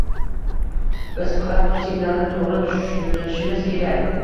Biz faqat bu signalni to'g'ri tushunishimiz kerak